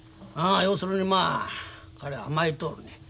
要するにまあ彼は甘えとるねん。